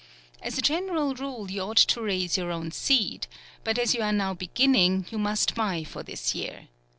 As a general rule, you ought to raise your own seed, but as you are now beginning, you must buy for this year.